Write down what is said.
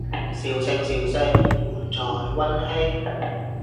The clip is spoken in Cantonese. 笑聲笑聲，滿載溫馨